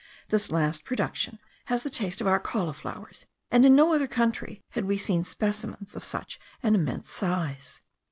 This last production has the taste of our cauliflowers, and in no other country had we seen specimens of such an immense size.